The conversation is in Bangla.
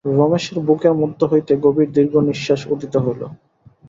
রমেশের বুকের মধ্য হইতে গভীর দীর্ঘনিশ্বাস উত্থিত হইল।